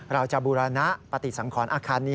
เราจะบูรณะปฏิสังคอนอาคารนี้